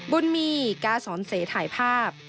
บุญมีกาสอนเสถ่ายภาพ